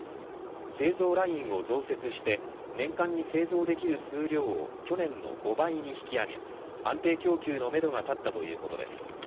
製造ラインを増設して年間に製造できる数量を去年の５倍に引き上げ安定供給のめどが立ったということです。